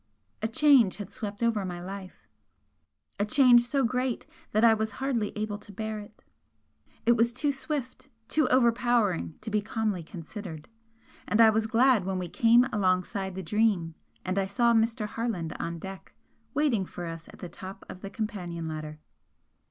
A change had swept over my life, a change so great that I was hardly able to bear it. It was too swift, too overpowering to be calmly considered, and I was glad when we came alongside the 'Dream' and I saw Mr. Harland on deck, waiting for us at the top of the companion ladder.